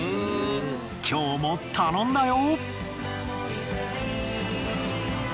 今日も頼んだよ！